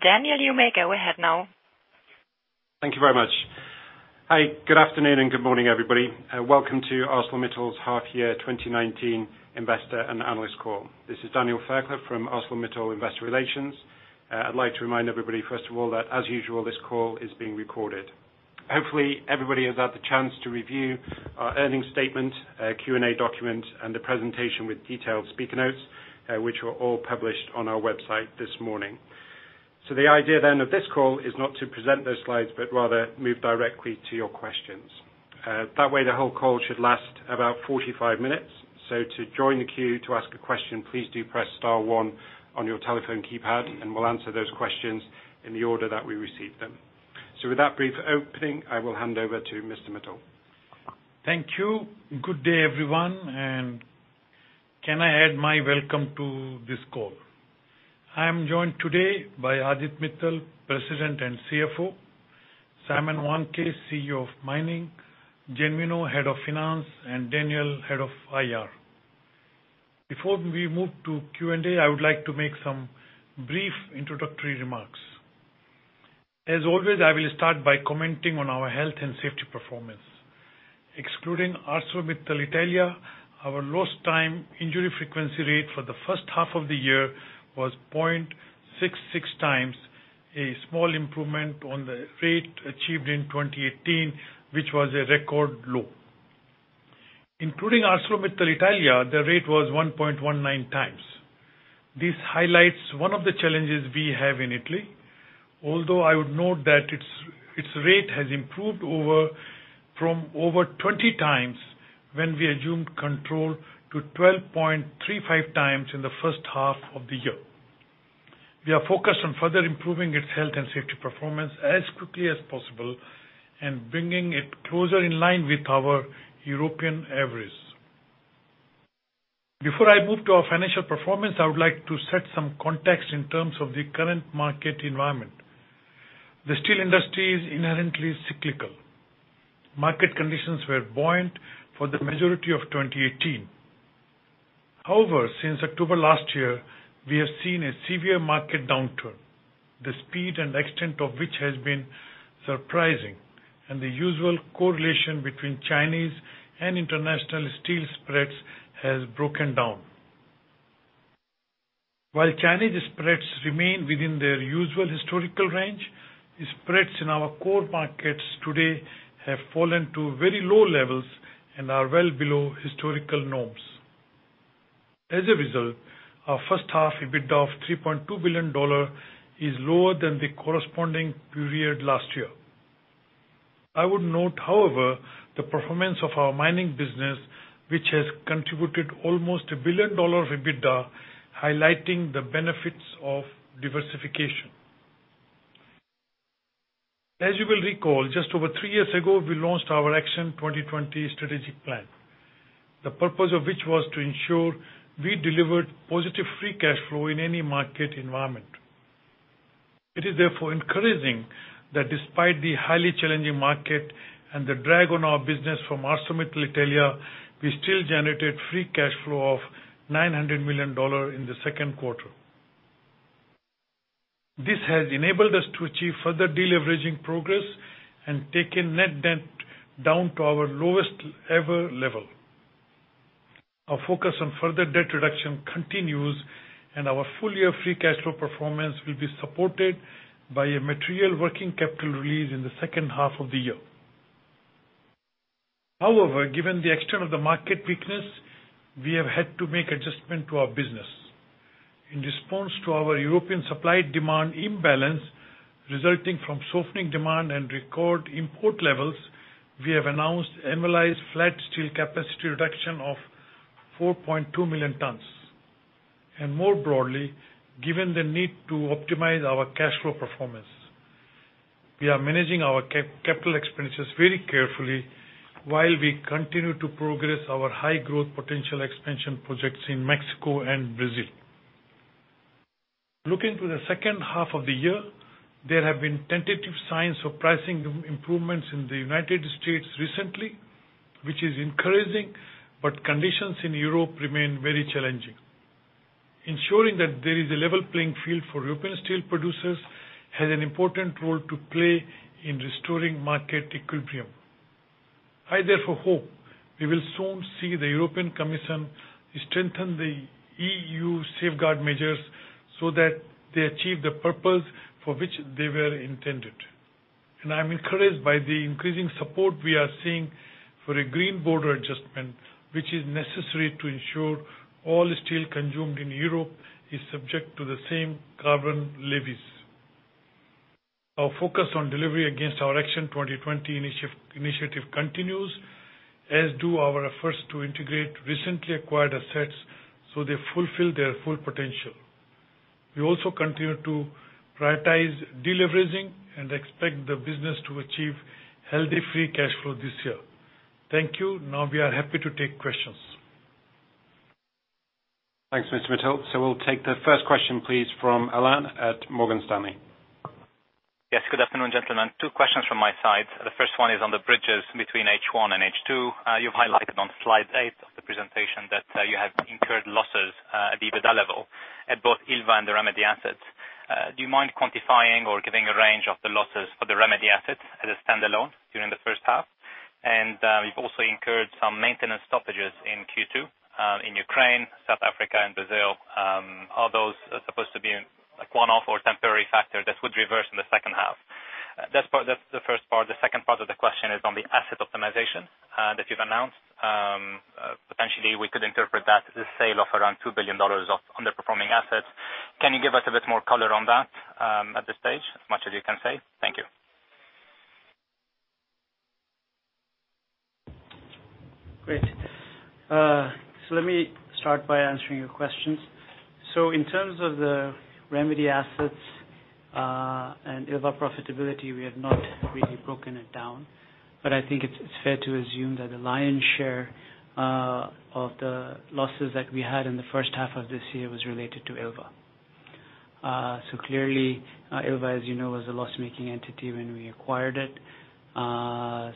Daniel, you may go ahead now. Thank you very much. Hi, good afternoon, and good morning, everybody. Welcome to ArcelorMittal's Half Year 2019 Investor and Analyst Call. This is Daniel Fairclough from ArcelorMittal Investor Relations. I'd like to remind everybody, first of all, that as usual, this call is being recorded. Hopefully, everybody has had the chance to review our earnings statement, Q&A document, and the presentation with detailed speaker notes, which were all published on our website this morning. The idea then of this call is not to present those slides, but rather move directly to your questions. That way, the whole call should last about 45 minutes. To join the queue to ask a question, please do press star one on your telephone keypad, and we'll answer those questions in the order that we receive them. With that brief opening, I will hand over to Mr. Mittal. Thank you. Good day, everyone, and can I add my welcome to this call? I am joined today by Aditya Mittal, President and CFO, Simon Wandke, CEO of Mining, Genuino Christino, Head of Finance, and Daniel, Head of IR. Before we move to Q&A, I would like to make some brief introductory remarks. As always, I will start by commenting on our health and safety performance. Excluding ArcelorMittal Italia, our lost time injury frequency rate for the first half of the year was 0.66 times, a small improvement on the rate achieved in 2018, which was a record low. Including ArcelorMittal Italia, the rate was 1.19 times. This highlights one of the challenges we have in Italy, although I would note that its rate has improved from over 20 times when we assumed control, to 12.35 times in the first half of the year. We are focused on further improving its health and safety performance as quickly as possible and bringing it closer in line with our European average. Before I move to our financial performance, I would like to set some context in terms of the current market environment. The steel industry is inherently cyclical. Market conditions were buoyant for the majority of 2018. However, since October last year, we have seen a severe market downturn, the speed and extent of which has been surprising, and the usual correlation between Chinese and international steel spreads has broken down. While Chinese spreads remain within their usual historical range, spreads in our core markets today have fallen to very low levels and are well below historical norms. As a result, our first half EBITDA of $3.2 billion is lower than the corresponding period last year. I would note, however, the performance of our mining business, which has contributed almost a billion-dollar EBITDA, highlighting the benefits of diversification. As you will recall, just over three years ago, we launched our Action 2020 strategic plan, the purpose of which was to ensure we delivered positive free cash flow in any market environment. It is therefore encouraging that despite the highly challenging market and the drag on our business from ArcelorMittal Italia, we still generated free cash flow of $900 million in the second quarter. This has enabled us to achieve further deleveraging progress and taken net debt down to our lowest ever level. Our focus on further debt reduction continues, and our full-year free cash flow performance will be supported by a material working capital release in the second half of the year. However, given the extent of the market weakness, we have had to make adjustments to our business. In response to our European supply-demand imbalance, resulting from softening demand and record import levels, we have announced annualized flat steel capacity reduction of 4.2 million tons. More broadly, given the need to optimize our free cash flow performance, we are managing our CapEx very carefully while we continue to progress our high growth potential expansion projects in Mexico and Brazil. Looking to the second half of the year, there have been tentative signs of pricing improvements in the U.S. recently, which is encouraging, but conditions in Europe remain very challenging. Ensuring that there is a level playing field for European steel producers has an important role to play in restoring market equilibrium. I therefore hope we will soon see the European Commission strengthen the EU safeguard measures so that they achieve the purpose for which they were intended. I am encouraged by the increasing support we are seeing for a green border adjustment, which is necessary to ensure all steel consumed in Europe is subject to the same carbon levies. Our focus on delivery against our Action 2020 initiative continues, as do our efforts to integrate recently acquired assets so they fulfill their full potential. We also continue to prioritize deleveraging and expect the business to achieve healthy free cash flow this year. Thank you. Now we are happy to take questions. Thanks, Mr. Mittal. We'll take the first question, please, from Alain at Morgan Stanley. Yes. Good afternoon, gentlemen. Two questions from my side. The first one is on the bridges between H1 and H2. You've highlighted on slide eight of the presentation that you have incurred losses at EBITDA level at both Ilva and the remedy assets. Do you mind quantifying or giving a range of the losses for the remedy assets as a standalone during the first half? You've also incurred some maintenance stoppages in Q2 in Ukraine, South Africa and Brazil. Are those supposed to be one-off or temporary factor that would reverse in the second half? That's the first part. The second part of the question is on the asset optimization that you've announced. Potentially, we could interpret that the sale of around EUR 2 billion of underperforming assets. Can you give us a bit more color on that at this stage? As much as you can say. Thank you. Great. Let me start by answering your questions. In terms of the remedy assets, and Ilva profitability, we have not really broken it down, but I think it's fair to assume that the lion's share of the losses that we had in the first half of this year was related to Ilva. Clearly, Ilva, as you know, was a loss-making entity when we acquired it.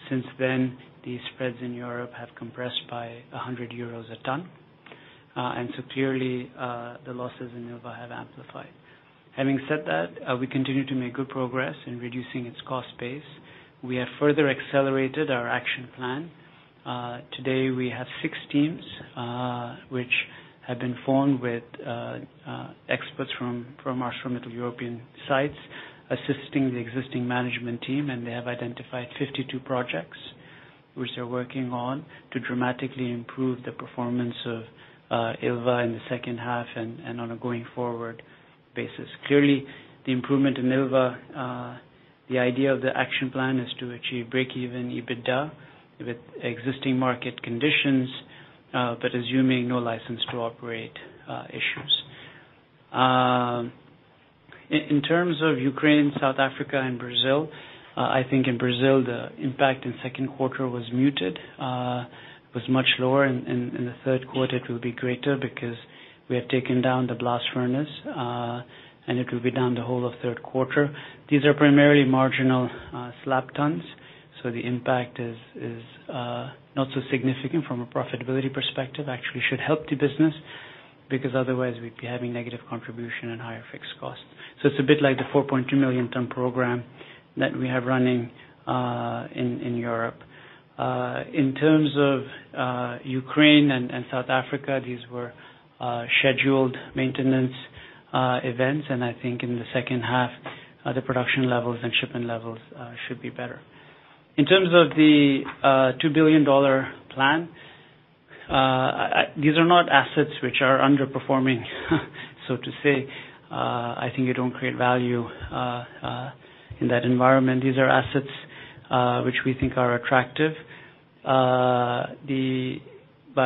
Since then, the spreads in Europe have compressed by 100 euros a ton. Clearly, the losses in Ilva have amplified. Having said that, we continue to make good progress in reducing its cost base. We have further accelerated our action plan. Today we have six teams, which have been formed with experts from our central European sites, assisting the existing management team, and they have identified 52 projects which they're working on to dramatically improve the performance of Ilva in the second half and on a going-forward basis. Clearly, the improvement in Ilva, the idea of the action plan is to achieve break-even EBITDA with existing market conditions, but assuming no license to operate issues. In terms of Ukraine, South Africa and Brazil, I think in Brazil, the impact in second quarter was muted. It was much lower. In the third quarter, it will be greater because we have taken down the blast furnace, and it will be down the whole of third quarter. These are primarily marginal slab tons, so the impact is not so significant from a profitability perspective. Actually, should help the business, because otherwise we'd be having negative contribution and higher fixed costs. It's a bit like the 4.2 million ton program that we have running in Europe. In terms of Ukraine and South Africa, these were scheduled maintenance events. I think in the second half, the production levels and shipment levels should be better. In terms of the $2 billion plan, these are not assets which are underperforming, so to say. I think you don't create value in that environment. These are assets which we think are attractive. By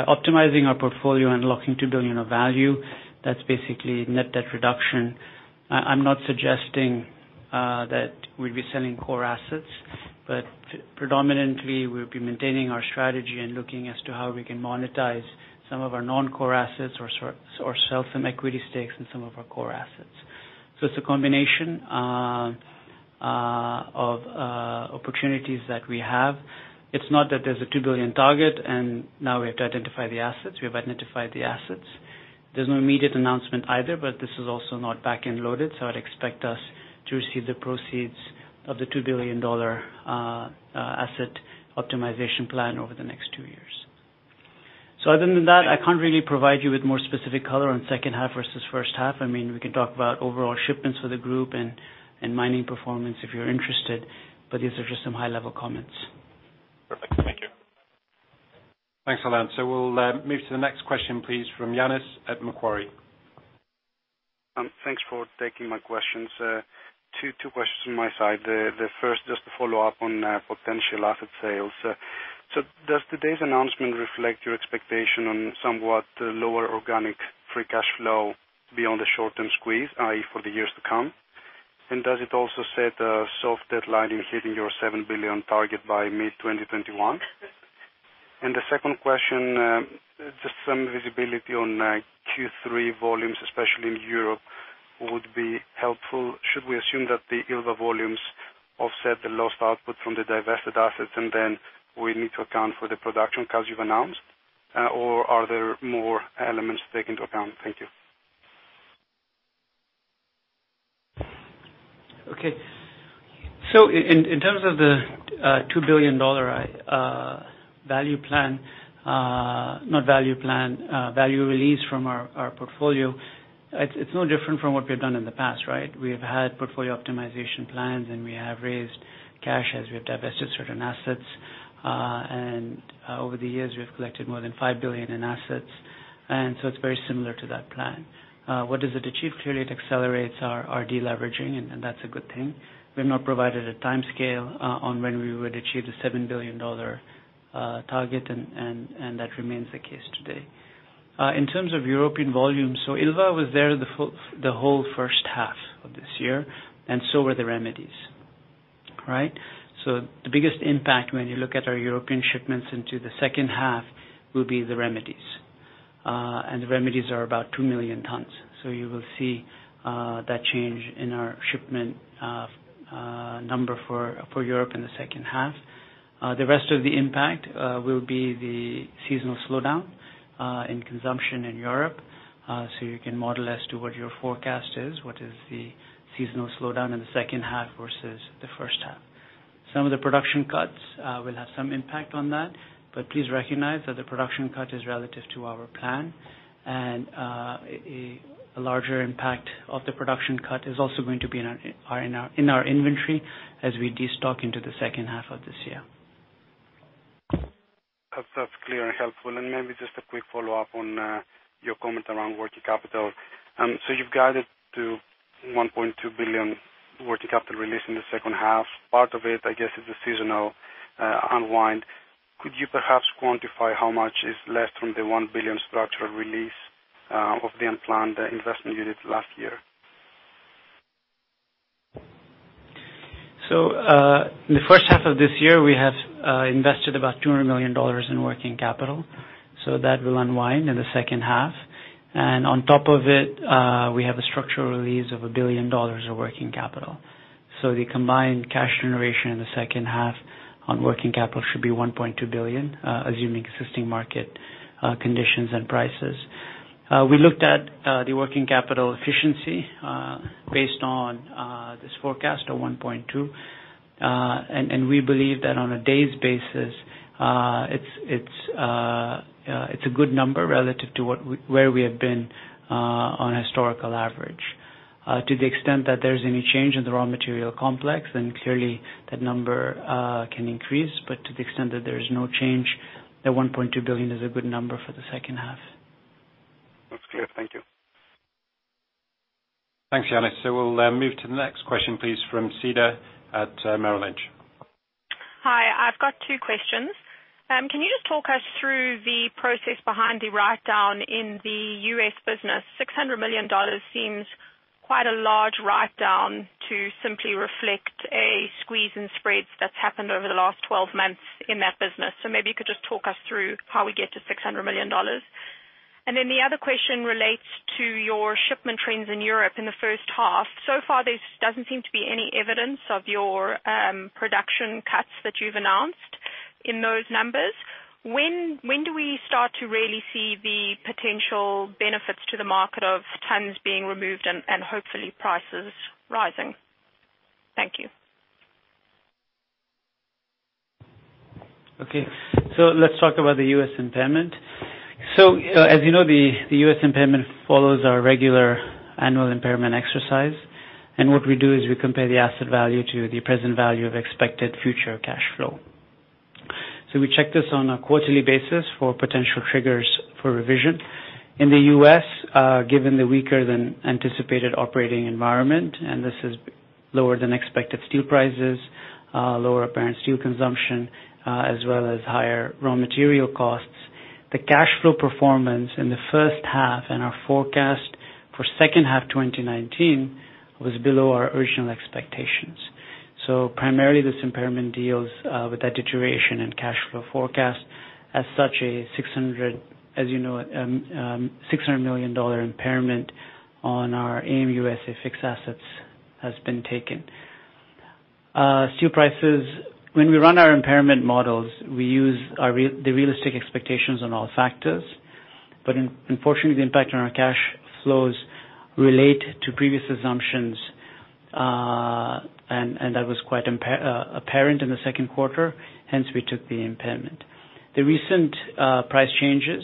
optimizing our portfolio and locking $2 billion of value, that's basically net debt reduction. I'm not suggesting that we'd be selling core assets, but predominantly we'll be maintaining our strategy and looking as to how we can monetize some of our non-core assets or sell some equity stakes in some of our core assets. It's a combination of opportunities that we have. It's not that there's a $2 billion target and now we have to identify the assets. We have identified the assets. There's no immediate announcement either, but this is also not back-end loaded, so I'd expect us to receive the proceeds of the $2 billion asset optimization plan over the next two years. Other than that, I can't really provide you with more specific color on second half versus first half. We can talk about overall shipments for the group and mining performance if you're interested, but these are just some high-level comments. Perfect. Thank you. Thanks, Alain. We'll move to the next question, please, from Loannis Mat Macquarie. Thanks for taking my questions. Two questions on my side. The first, just to follow up on potential asset sales. Does today's announcement reflect your expectation on somewhat lower organic free cash flow beyond the short-term squeeze, i.e., for the years to come? Does it also set a soft deadline in hitting your $7 billion target by mid-2021? The second question, just some visibility on Q3 volumes, especially in Europe, would be helpful. Should we assume that the Ilva volumes offset the lost output from the divested assets and then we need to account for the production cuts you've announced? Are there more elements to take into account? Thank you. Okay. In terms of the $2 billion value plan, not value plan value release from our portfolio, it's no different from what we've done in the past, right? We have had portfolio optimization plans, and we have raised cash as we have divested certain assets. Over the years, we have collected more than $5 billion in assets, and so it's very similar to that plan. What does it achieve? Clearly, it accelerates our de-leveraging, and that's a good thing. We've not provided a timescale on when we would achieve the $7 billion target, and that remains the case today. In terms of European volume, so Ilva was there the whole first half of this year, and so were the remedies. Right. The biggest impact when you look at our European shipments into the second half will be the remedies. The remedies are about 2 million tonnes. You will see that change in our shipment number for Europe in the second half. The rest of the impact will be the seasonal slowdown in consumption in Europe. You can model as to what your forecast is, what is the seasonal slowdown in the second half versus the first half. Some of the production cuts will have some impact on that, but please recognize that the production cut is relative to our plan. A larger impact of the production cut is also going to be in our inventory as we destock into the second half of this year. That's clear and helpful. Maybe just a quick follow-up on your comment around working capital. You've guided to $1.2 billion working capital release in the second half. Part of it, I guess, is the seasonal unwind. Could you perhaps quantify how much is left from the $1 billion structural release of the unplanned investment you did last year? In the first half of this year, we have invested about $200 million in working capital. That will unwind in the second half. On top of it, we have a structural release of $1 billion of working capital. The combined cash generation in the second half on working capital should be $1.2 billion, assuming existing market conditions and prices. We looked at the working capital efficiency, based on this forecast of 1.2. We believe that on a day's basis, it's a good number relative to where we have been on historical average. To the extent that there's any change in the raw material complex, then clearly that number can increase. To the extent that there's no change, the $1.2 billion is a good number for the second half. That's clear. Thank you. Thanks, Yannis. We'll move to the next question, please, from Jason at Merrill Lynch. Hi. I've got two questions. Can you just talk us through the process behind the write-down in the U.S. business? $600 million seems quite a large write-down to simply reflect a squeeze in spreads that's happened over the last 12 months in that business. Maybe you could just talk us through how we get to $600 million. The other question relates to your shipment trends in Europe in the first half. So far, there doesn't seem to be any evidence of your production cuts that you've announced in those numbers. When do we start to really see the potential benefits to the market of tons being removed and hopefully prices rising? Thank you. Okay. Let's talk about the U.S. impairment. As you know, the U.S. impairment follows our regular annual impairment exercise. What we do is we compare the asset value to the present value of expected future cash flow. We check this on a quarterly basis for potential triggers for revision. In the U.S., given the weaker than anticipated operating environment, and this is lower than expected steel prices, lower apparent steel consumption, as well as higher raw material costs. The cash flow performance in the first half and our forecast for second half 2019 was below our original expectations. Primarily, this impairment deals with that deterioration in cash flow forecast. As such, a $600 million impairment on our ArcelorMittal USA fixed assets has been taken. Steel prices, when we run our impairment models, we use the realistic expectations on all factors. Unfortunately, the impact on our cash flows relate to previous assumptions, and that was quite apparent in the second quarter, hence we took the impairment. The recent price changes,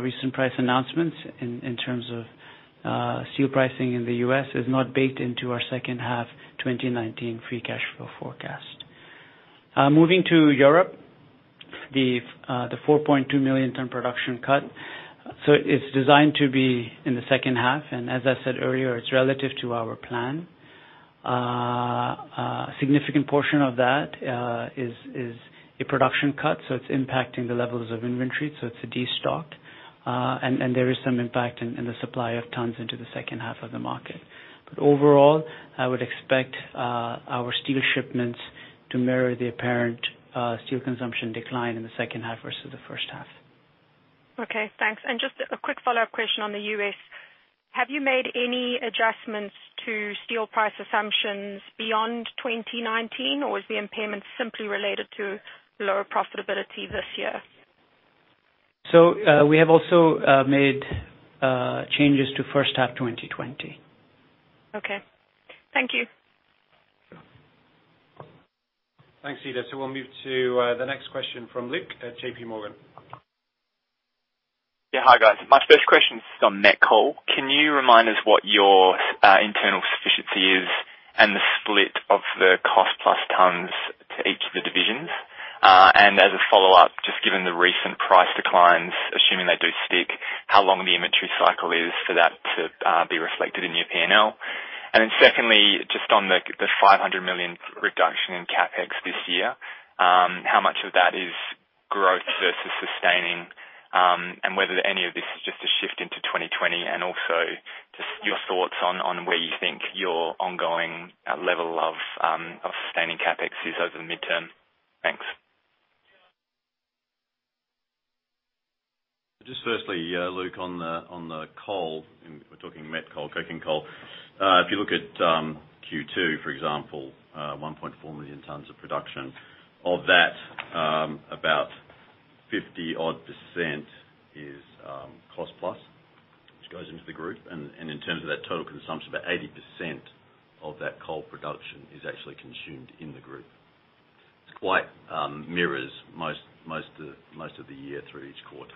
recent price announcements in terms of steel pricing in the U.S. is not baked into our second half 2019 free cash flow forecast. Moving to Europe, the 4.2 million ton production cut. It's designed to be in the second half, and as I said earlier, it's relative to our plan. A significant portion of that is a production cut, so it's impacting the levels of inventory, so it's a destock. There is some impact in the supply of tons into the second half of the market. Overall, I would expect our steel shipments to mirror the apparent steel consumption decline in the second half versus the first half. Okay, thanks. Just a quick follow-up question on the U.S. Have you made any adjustments to steel price assumptions beyond 2019, or is the impairment simply related to lower profitability this year? We have also made changes to first half 2020. Okay. Thank you. Thanks, Seda. We'll move to the next question from Luke at JPMorgan. Yeah. Hi, guys. My first question is on met coal. Can you remind us what your internal sufficiency is and the split of the cost plus tonnes to each of the divisions? As a follow-up, just given the recent price declines, assuming they do stick, how long the inventory cycle is for that to be reflected in your P&L. Secondly, just on the 500 million reduction in CapEx this year, how much of that is growth versus sustaining, and whether any of this is just a shift into 2020, and also just your thoughts on where you think your ongoing level of sustaining CapEx is over the midterm. Thanks. Just firstly, Luke, on the coal, and we're talking met coal, coking coal. If you look at Q2, for example, 1.4 million tons of production. Of that, about 50-odd% is cost plus, which goes into the group. In terms of that total consumption, about 80% of that coal production is actually consumed in the group. It quite mirrors most of the year through each quarter.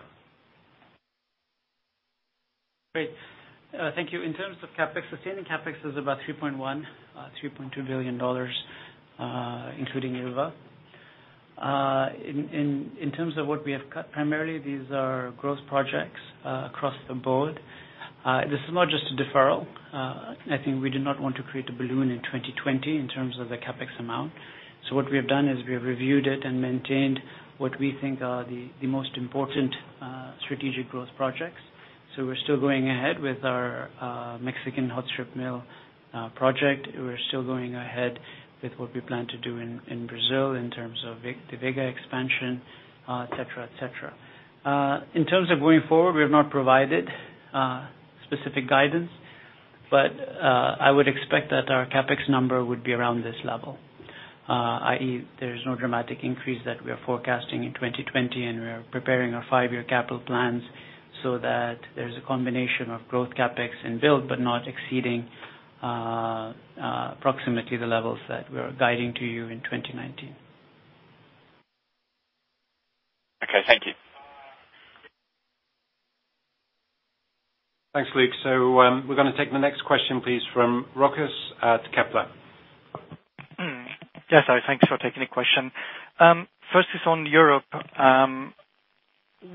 Great. Thank you. In terms of CapEx, sustaining CapEx is about $3.1 billion, $3.2 billion, including Ilva. In terms of what we have cut, primarily these are growth projects across the board. This is not just a deferral. I think we do not want to create a balloon in 2020 in terms of the CapEx amount. What we have done is we have reviewed it and maintained what we think are the most important strategic growth projects. We're still going ahead with our Mexican hot strip mill project. We're still going ahead with what we plan to do in Brazil in terms of the Vega expansion, et cetera. In terms of going forward, we have not provided specific guidance, but I would expect that our CapEx number would be around this level, i.e., there is no dramatic increase that we are forecasting in 2020, and we are preparing our five-year capital plans so that there's a combination of growth CapEx and build, but not exceeding approximately the levels that we are guiding to you in 2019. Okay, thank you. Thanks, Luke. We're going to take the next question, please, from Rochus at Kepler. Yes. Hi, thanks for taking the question. First is on Europe.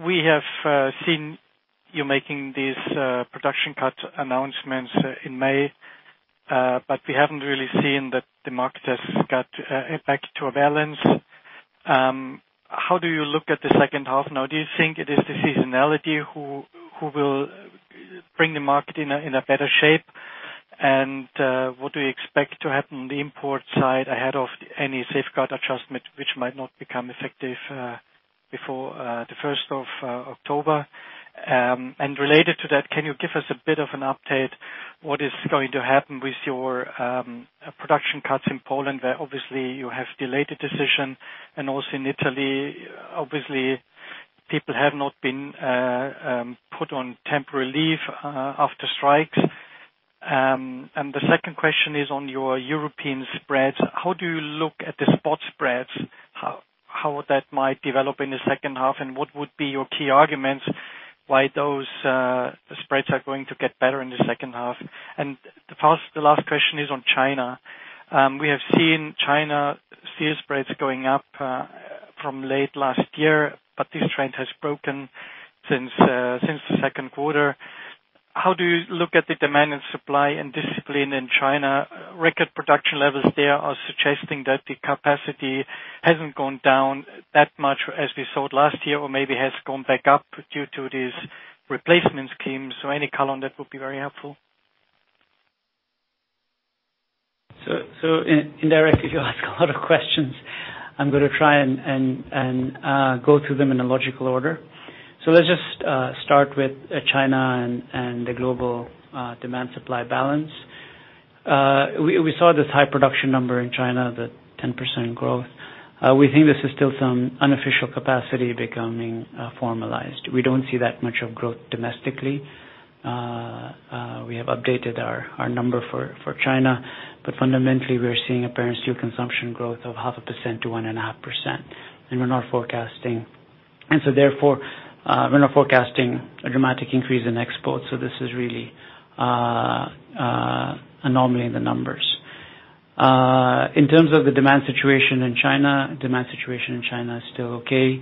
We have seen you making these production cut announcements in May, we haven't really seen that the market has got back to a balance. How do you look at the second half now? Do you think it is the seasonality who will bring the market in a better shape? What do you expect to happen on the import side ahead of any safeguard adjustment which might not become effective before the 1st of October? Related to that, can you give us a bit of an update what is going to happen with your production cuts in Poland, where obviously you have delayed a decision, and also in Italy, obviously, people have not been put on temporary leave after strikes. The second question is on your European spreads. How do you look at the spot spreads? How would that might develop in the second half, and what would be your key arguments why those spreads are going to get better in the second half? The last question is on China. We have seen China steel spreads going up from late last year, but this trend has broken since the second quarter. How do you look at the demand and supply and discipline in China? Record production levels there are suggesting that the capacity hasn't gone down that much as we saw it last year or maybe has gone back up due to these replacement schemes. Any color on that would be very helpful. Indirectly, you ask a lot of questions. I'm going to try and go through them in a logical order. Let's just start with China and the global demand-supply balance. We saw this high production number in China, the 10% growth. We think this is still some unofficial capacity becoming formalized. We don't see that much of growth domestically. We have updated our number for China. Fundamentally, we are seeing apparent steel consumption growth of 0.5%-1.5%. Therefore, we're not forecasting a dramatic increase in exports. This is really anomaly in the numbers. In terms of the demand situation in China, demand situation in China is still okay.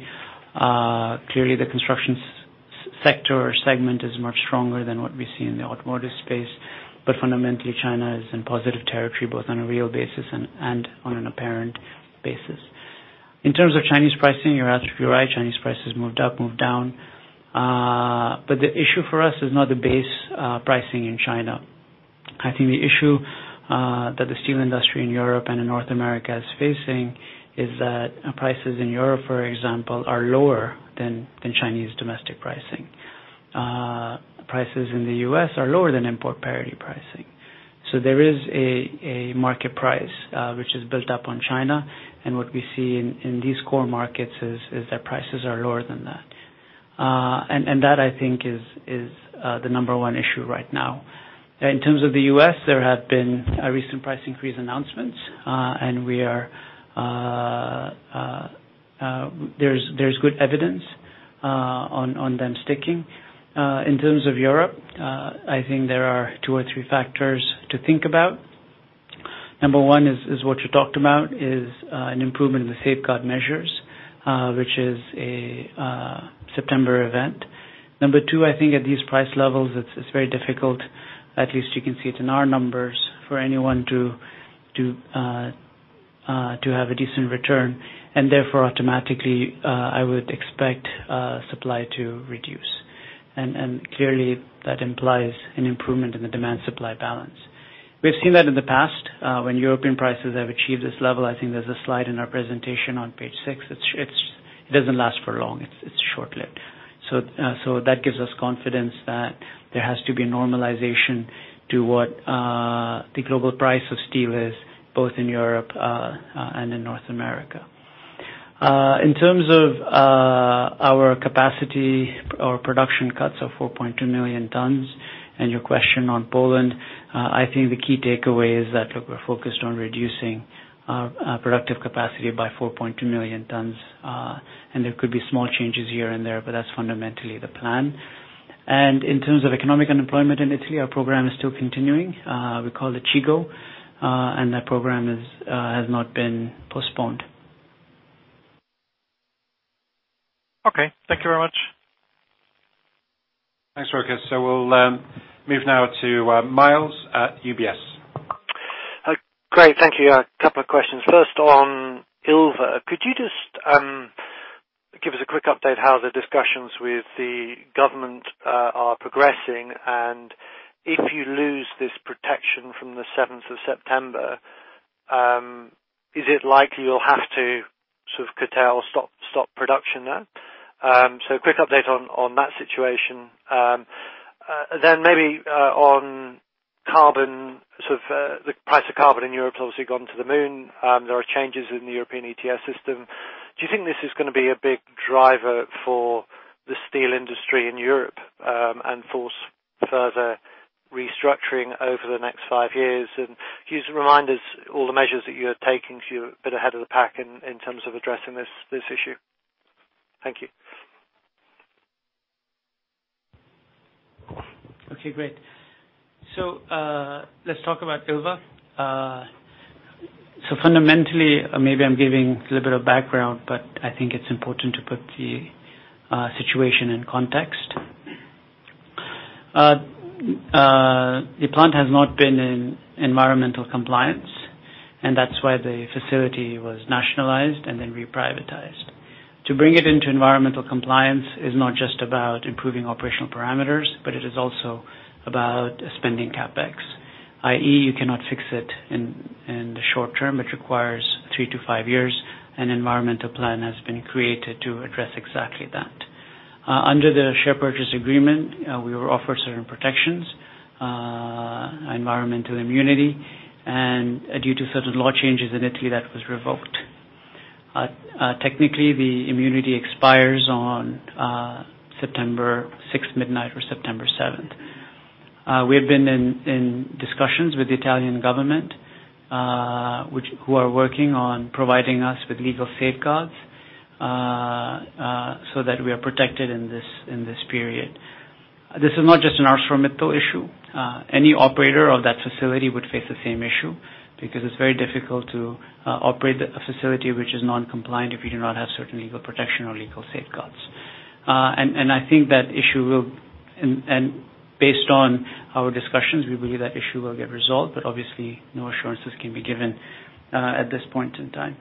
Clearly, the construction sector or segment is much stronger than what we see in the automotive space. Fundamentally, China is in positive territory, both on a real basis and on an apparent basis. In terms of Chinese pricing, you're right, Chinese prices moved up, moved down. The issue for us is not the base pricing in China. I think the issue that the steel industry in Europe and in North America is facing is that prices in Europe, for example, are lower than Chinese domestic pricing. Prices in the U.S. are lower than import parity pricing. There is a market price, which is built up on China. What we see in these core markets is that prices are lower than that. That I think is the number one issue right now. In terms of the U.S., there have been recent price increase announcements, and there's good evidence on them sticking. In terms of Europe, I think there are two or three factors to think about. Number one is what you talked about, is an improvement in the Safeguard Measures, which is a September event. Number two, I think at these price levels, it's very difficult, at least you can see it in our numbers, for anyone to have a decent return, and therefore automatically, I would expect supply to reduce. Clearly, that implies an improvement in the demand-supply balance. We've seen that in the past, when European prices have achieved this level, I think there's a slide in our presentation on page six. It doesn't last for long. It's short-lived. That gives us confidence that there has to be normalization to what the global price of steel is, both in Europe and in North America. In terms of our capacity or production cuts of 4.2 million tons, and your question on Poland, I think the key takeaway is that, look, we're focused on reducing our productive capacity by 4.2 million tons, and there could be small changes here and there, but that's fundamentally the plan. In terms of economic unemployment in Italy, our program is still continuing. We call it CIGO, and that program has not been postponed. Okay. Thank you very much. Thanks, Rochus. We'll move now to Myles at UBS. Great. Thank you. A couple of questions. First, on Ilva. Could you just give us a quick update how the discussions with the government are progressing, and if you lose this protection from the 7th of September, is it likely you'll have to curtail/stop production there? A quick update on that situation. Maybe on carbon, the price of carbon in Europe has obviously gone to the moon. There are changes in the European ETS system. Do you think this is going to be a big driver for the steel industry in Europe, and force further restructuring over the next five years? Can you just remind us all the measures that you are taking, because you're a bit ahead of the pack in terms of addressing this issue. Thank you. Okay, great. Let's talk about Ilva. Fundamentally, maybe I'm giving a little bit of background, but I think it's important to put the situation in context. The plant has not been in environmental compliance, and that's why the facility was nationalized and then re-privatized. To bring it into environmental compliance is not just about improving operational parameters, but it is also about spending CapEx, i.e., you cannot fix it in the short term. It requires three to five years. An environmental plan has been created to address exactly that. Under the share purchase agreement, we were offered certain protections, environmental immunity, and due to certain law changes in Italy, that was revoked. Technically, the immunity expires on September 6th, midnight, or September 7th. We have been in discussions with the Italian government, who are working on providing us with legal safeguards, so that we are protected in this period. This is not just an ArcelorMittal issue. Any operator of that facility would face the same issue, because it's very difficult to operate a facility which is non-compliant if you do not have certain legal protection or legal safeguards. Based on our discussions, we believe that issue will get resolved, but obviously, no assurances can be given at this point in time.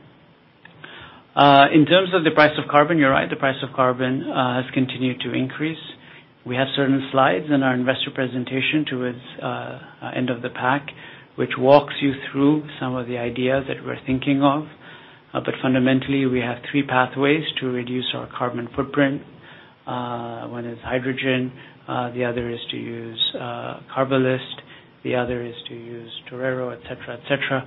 In terms of the price of carbon, you're right. The price of carbon has continued to increase. We have certain slides in our investor presentation towards end of the pack, which walks you through some of the ideas that we're thinking of. Fundamentally, we have three pathways to reduce our carbon footprint. One is hydrogen, the other is to use Carbalyst, the other is to use Torero, et cetera.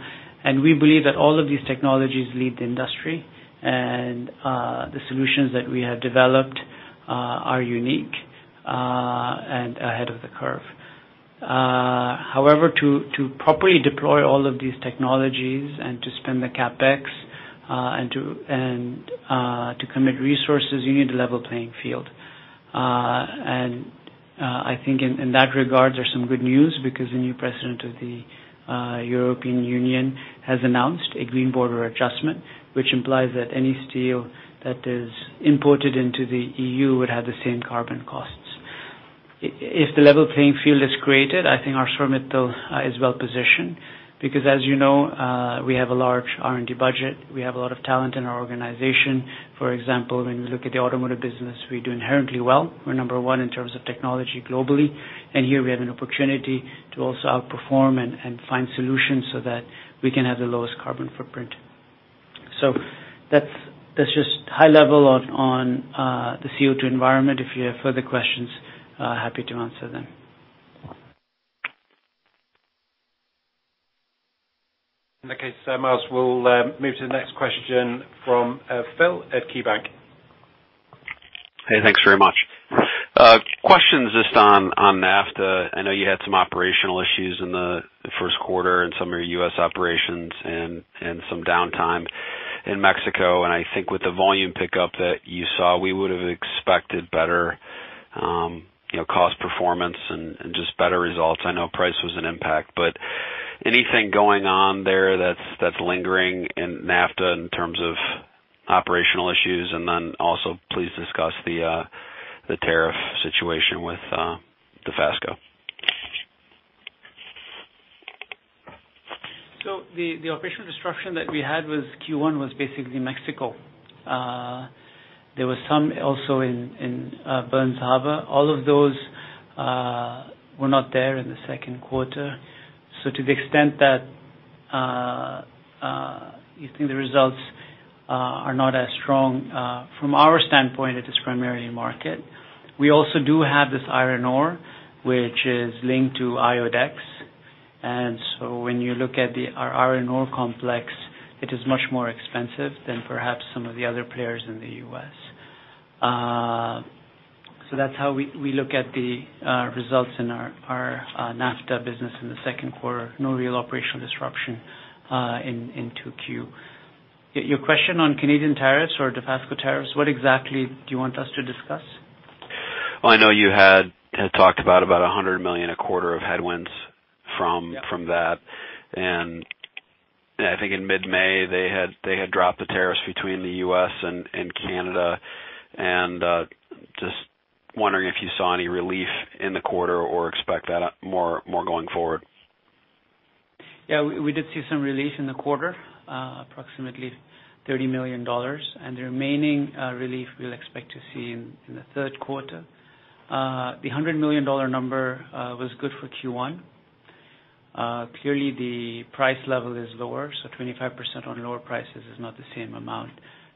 We believe that all of these technologies lead the industry, and the solutions that we have developed are unique and ahead of the curve. However, to properly deploy all of these technologies and to spend the CapEx, and to commit resources, you need a level playing field. I think in that regard, there's some good news, because the new president of the European Union has announced a Green Border Adjustment, which implies that any steel that is imported into the EU would have the same carbon costs. If the level playing field is created, I think ArcelorMittal is well-positioned, because as you know, we have a large R&D budget, we have a lot of talent in our organization. For example, when you look at the automotive business, we do inherently well. We're number one in terms of technology globally, and here we have an opportunity to also outperform and find solutions so that we can have the lowest carbon footprint. That's just high level on the CO2 environment. If you have further questions, happy to answer them. In that case, Myles, we'll move to the next question from Phil at KeyBanc. Hey, thanks very much. Questions just on NAFTA. I know you had some operational issues in the first quarter in some of your U.S. operations and some downtime in Mexico, and I think with the volume pickup that you saw, we would have expected better cost performance and just better results. I know price was an impact. Anything going on there that's lingering in NAFTA in terms of operational issues? Also please discuss the tariff situation with Dofasco. The operational disruption that we had with Q1 was basically Mexico. There was some also in Burns Harbor. All of those were not there in the second quarter. To the extent that you think the results are not as strong, from our standpoint, it is primarily market. We also do have this iron ore, which is linked to IODEX. When you look at our iron ore complex, it is much more expensive than perhaps some of the other players in the U.S. That's how we look at the results in our NAFTA business in the second quarter. No real operational disruption in 2Q. Your question on Canadian tariffs or Dofasco tariffs, what exactly do you want us to discuss? Well, I know you had talked about $100 million a quarter of headwinds from that. Yeah. I think in mid-May, they had dropped the tariffs between the U.S. and Canada. I was just wondering if you saw any relief in the quarter or expect that more going forward? Yeah, we did see some relief in the quarter, approximately $30 million. The remaining relief we'll expect to see in the third quarter. The $100 million number was good for Q1. Clearly, the price level is lower, so 25% on lower prices is not the same amount.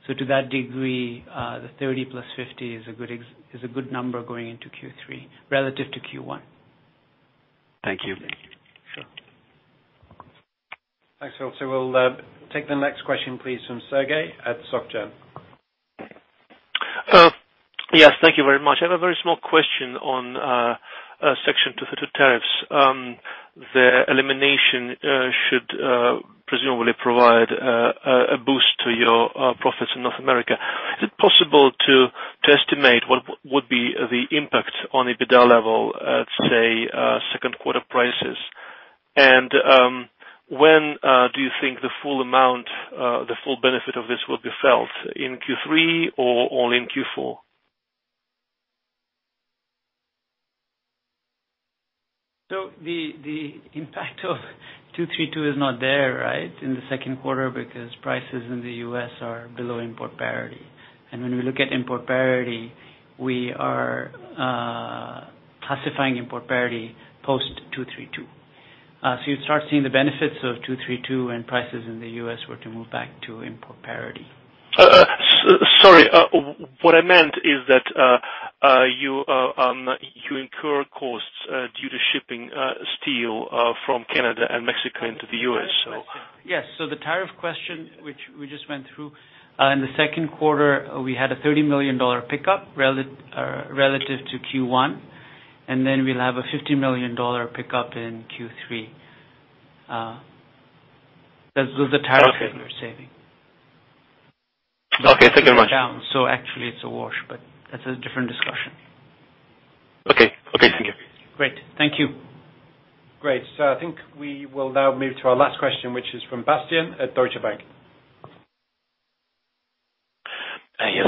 To that degree, the 30 plus 50 is a good number going into Q3 relative to Q1. Thank you. Sure. Thanks, Phil. We'll take the next question, please, from Sergey at SocGen. Yes, thank you very much. I have a very small question on Section 232 tariffs. The elimination should presumably provide a boost to your profits in North America. Is it possible to estimate what would be the impact on EBITDA level at, say, second quarter prices? When do you think the full amount, the full benefit of this will be felt, in Q3 or in Q4? The impact of 232 is not there, right, in the second quarter because prices in the U.S. are below import parity. When we look at import parity, we are classifying import parity post 232. You'd start seeing the benefits of 232 when prices in the U.S. were to move back to import parity. Sorry. What I meant is that you incur costs due to shipping steel from Canada and Mexico into the U.S. Yes. The tariff question, which we just went through, in the second quarter, we had a $30 million pickup relative to Q1, and then we'll have a $50 million pickup in Q3. That was the tariff that we're saving. Okay, thank you very much. Actually it's a wash, but that's a different discussion. Okay. Thank you. Great. Thank you. Great. I think we will now move to our last question, which is from Bastian at Deutsche Bank. Yes,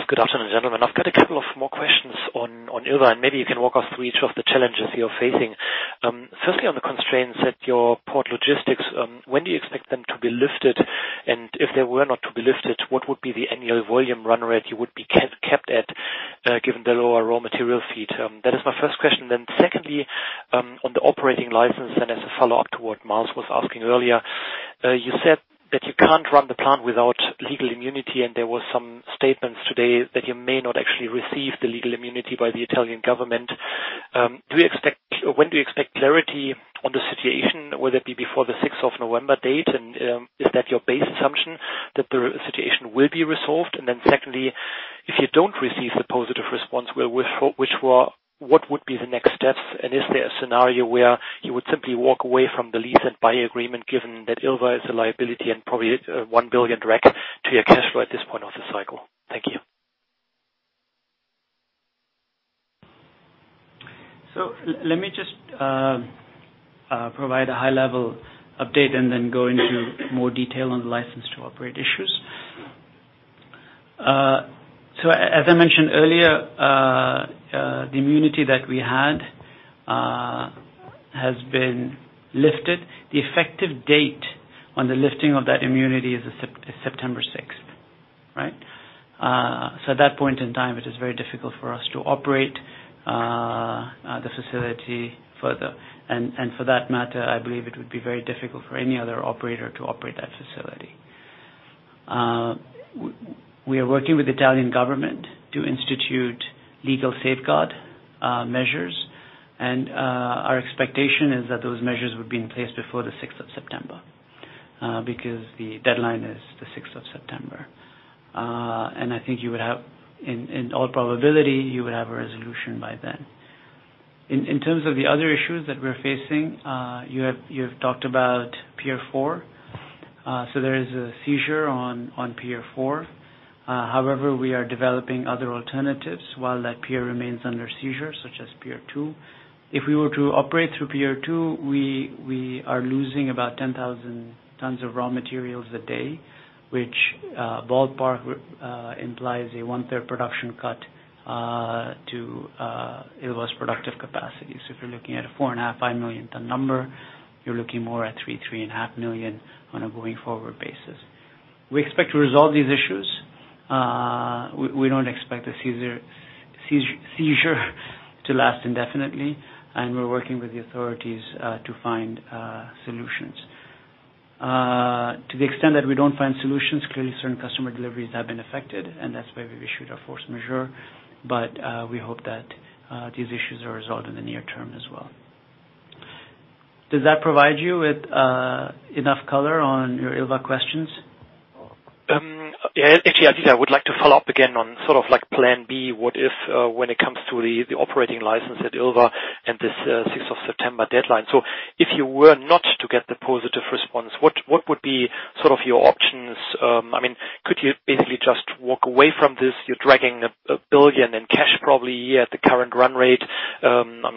good afternoon, gentlemen. I've got a couple of more questions on Ilva, and maybe you can walk us through each of the challenges you're facing. Firstly, on the constraints at your port logistics, when do you expect them to be lifted? If they were not to be lifted, what would be the annual volume run rate you would be kept at, given the lower raw material feed? That is my first question. Secondly, on the operating license, and as a follow-up to what Myles was asking earlier, you said that you can't run the plant without legal immunity, and there was some statements today that you may not actually receive the legal immunity by the Italian government. When do you expect clarity on the situation, whether it be before the 6th of November date, and is that your base assumption, that the situation will be resolved? Secondly, if you don't receive the positive response, what would be the next steps? Is there a scenario where you would simply walk away from the lease and buy agreement given that Ilva is a liability and probably a $1 billion drag to your cash flow at this point of the cycle? Thank you. Let me just provide a high-level update and then go into more detail on the license to operate issues. As I mentioned earlier, the immunity that we had has been lifted. The effective date on the lifting of that immunity is September 6th. Right? At that point in time, it is very difficult for us to operate the facility further. For that matter, I believe it would be very difficult for any other operator to operate that facility. We are working with the Italian government to institute legal safeguard measures, and our expectation is that those measures would be in place before the 6th of September. The deadline is the 6th of September. I think in all probability, you would have a resolution by then. In terms of the other issues that we're facing, you've talked about Pier 4. There is a seizure on Pier 4. However, we are developing other alternatives while that pier remains under seizure, such as Pier 2. If we were to operate through Pier 2, we are losing about 10,000 tons of raw materials a day, which ballpark implies a one-third production cut to Ilva's productive capacity. If you're looking at a four and a half, 5 million ton number, you're looking more at 3.5 million on a going forward basis. We expect to resolve these issues. We don't expect the seizure to last indefinitely, and we're working with the authorities to find solutions. To the extent that we don't find solutions, clearly certain customer deliveries have been affected, and that's why we've issued a force majeure. We hope that these issues are resolved in the near term as well. Does that provide you with enough color on your Ilva questions? Yeah. Actually, I think I would like to follow up again on sort of Plan B. If you were not to get the positive response when it comes to the operating license at Ilva and this 6th of September deadline, what would be sort of your options? Could you basically just walk away from this? You're dragging 1 billion in cash probably a year at the current run rate. You have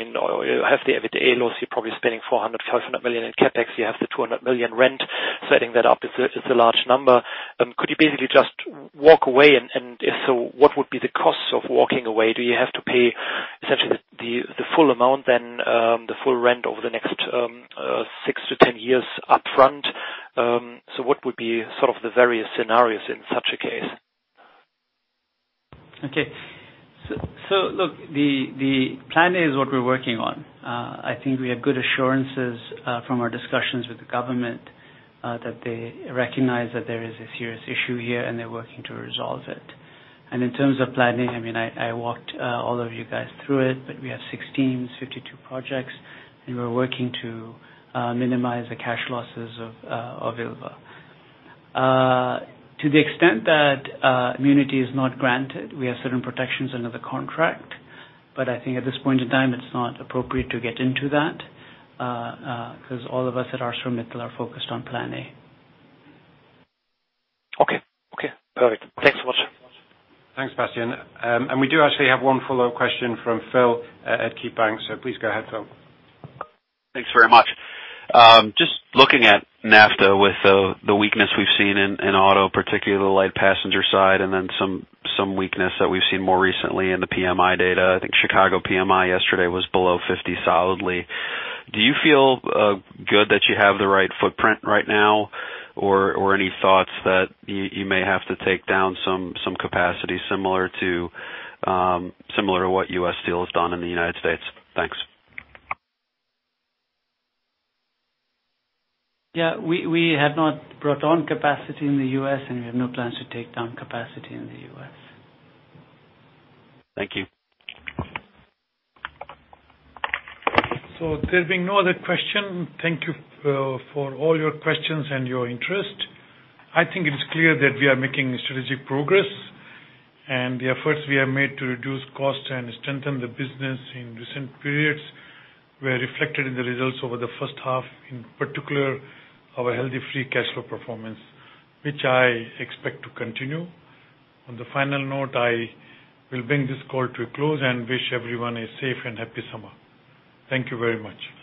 the everyday loss, you're probably spending 400 million-500 million in CapEx. You have the 200 million rent. Setting that up is a large number. Could you basically just walk away? If so, what would be the cost of walking away? Do you have to pay essentially the full amount then, the full rent over the next 6-10 years up front? What would be sort of the various scenarios in such a case? Okay. Look, the plan is what we're working on. I think we have good assurances from our discussions with the government that they recognize that there is a serious issue here and they're working to resolve it. In terms of planning, I walked all of you guys through it, but we have 16, 52 projects and we're working to minimize the cash losses of Ilva. To the extent that immunity is not granted, we have certain protections under the contract, but I think at this point in time, it's not appropriate to get into that, because all of us at ArcelorMittal are focused on plan A. Okay. Perfect. Thanks a lot. Thanks, Bastian. We do actually have one follow-up question from Phil at KeyBanc. Please go ahead, Phil. Thanks very much. Just looking at NAFTA with the weakness we've seen in auto, particularly the light passenger side and then some weakness that we've seen more recently in the PMI data. I think Chicago PMI yesterday was below 50 solidly. Do you feel good that you have the right footprint right now? Any thoughts that you may have to take down some capacity similar to what US Steel has done in the United States? Thanks. Yeah, we have not brought on capacity in the U.S., and we have no plans to take down capacity in the U.S. Thank you. There being no other question, thank you for all your questions and your interest. I think it's clear that we are making strategic progress, and the efforts we have made to reduce cost and strengthen the business in recent periods were reflected in the results over the first half. In particular, our healthy free cash flow performance, which I expect to continue. On the final note, I will bring this call to a close and wish everyone a safe and happy summer. Thank you very much.